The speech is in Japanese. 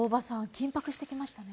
緊迫してきましたね」